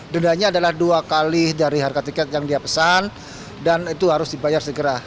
dendanya adalah dua kali dari harga tiket yang dia pesan dan itu harus dibayar segera